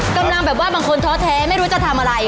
กำลังแบบว่าบางคนท้อแท้ไม่รู้จะทำอะไร